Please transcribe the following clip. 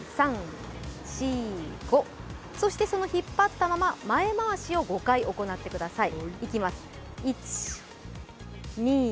そしてその引っ張ったまま、前回しを５回、行ってください。